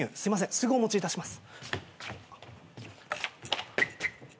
すぐお持ちいたします。